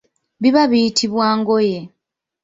Biba biyitibwa ngoye.